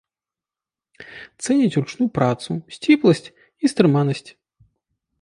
Цэняць ручную працу, сціпласць і стрыманасць.